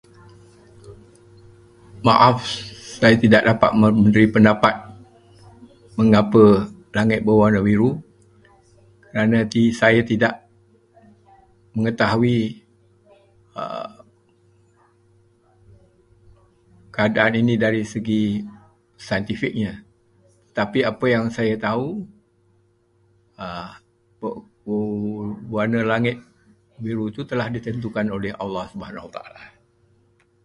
Maaf, saya tidak dapat memberi pendapat mengapa langit berwarna biru kerana saya tidak mengetahui keadaan ini dari segi saintifiknya. Tetapi apa yang saya tahu, warna langit biru itu telah ditentukan oleh Allah SWT.